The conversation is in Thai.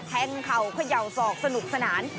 เข่าเขย่าศอกสนุกสนาน